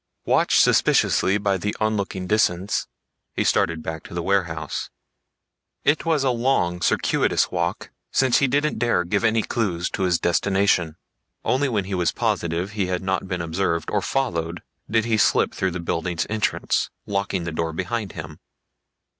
Watched suspiciously by the onlooking Disans, he started back to the warehouse. It was a long, circuitous walk, since he didn't dare give any clues to his destination. Only when he was positive he had not been observed or followed did he slip through the building's entrance, locking the door behind him.